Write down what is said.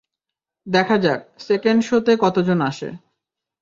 দেখা যাক, second show তে কতজন আসে।